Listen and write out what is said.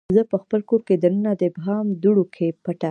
زه پخپل کور کې دننه د ابهام دوړو کې پټه